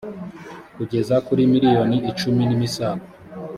kugeza kuri miliyoni icumi nimisago